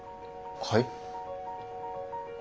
はい？